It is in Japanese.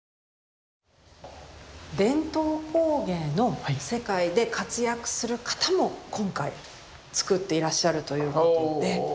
伝統工芸の世界で活躍する方も今回作っていらっしゃるということで。